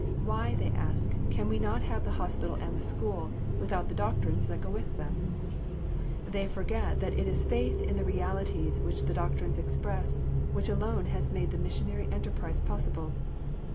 Why, they ask, can we not have the hospital and the school without the doctrines that go with them? They forget that it is faith in the realities which the doctrines express which alone has made the missionary enterprise possible.